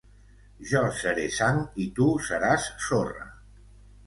Jo seré sang i tu seràs sorra.